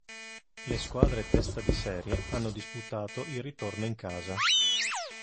Le squadre testa di serie hanno disputato il ritorno in casa.